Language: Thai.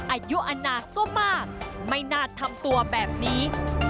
อายุอนาคก็มากไม่น่าทำตัวแบบนี้